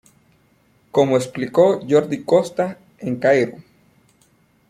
Como explicó Jordi Costa, en "Cairo"